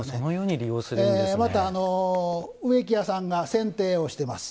また、植木屋さんがせん定をしてます。